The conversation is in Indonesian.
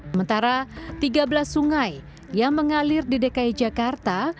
sementara tiga belas sungai yang mengalir di dki jakarta